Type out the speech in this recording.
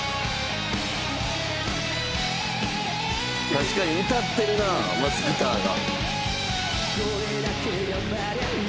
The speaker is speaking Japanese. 「確かに歌ってるなまずギターが」